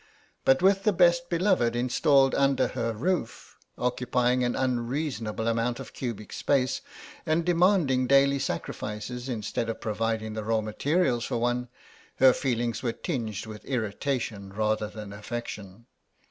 But with the best beloved installed under her roof, occupying an unreasonable amount of cubic space, and demanding daily sacrifices instead of providing the raw material for one, her feelings were tinged with irritation rather than affection.